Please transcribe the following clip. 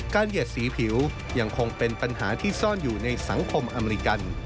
เหยียดสีผิวยังคงเป็นปัญหาที่ซ่อนอยู่ในสังคมอเมริกัน